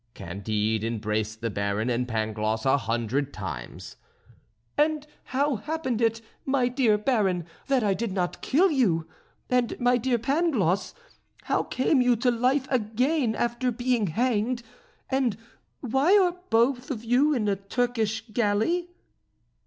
Candide embraced the Baron and Pangloss a hundred times. "And how happened it, my dear Baron, that I did not kill you? And, my dear Pangloss, how came you to life again after being hanged? And why are you both in a Turkish galley?"